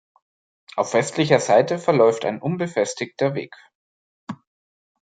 Auf westlicher Seite verläuft ein unbefestigter Weg.